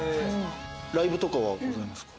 ライブとかはございますか？